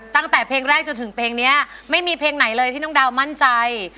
ตั้งแต่เพลงแรกจนถึงเพลงนี้ไม่มีเพลงไหนเลยที่น้องดาวมั่นใจ